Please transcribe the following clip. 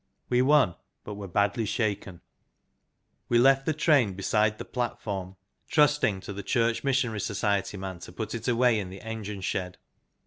We won, but were badly shaken. We left the train beside the platform, trusting to the Church Missionary Society man to put it away in the engine shed.